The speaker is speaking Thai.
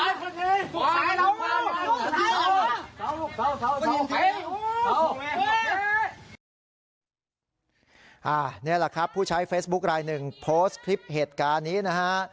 นี่แหละครับผู้ใช้เฟซบุ๊คลายหนึ่งโพสต์คลิปเหตุการณ์นี้นะฮะ